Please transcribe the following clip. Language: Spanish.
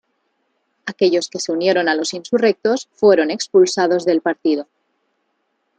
Aquellos que se unieron a los insurrectos fueron expulsados del partido.